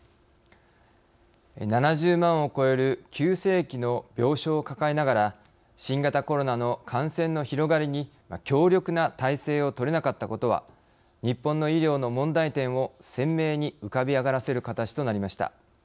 ７０万を超える急性期の病床を抱えながら新型コロナの感染の広がりに強力な体制を取れなかったことは日本の医療の問題点を鮮明に浮かび上がらせる形となりました。